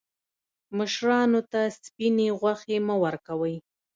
مشرانو ته سپیني غوښي مه ورکوئ.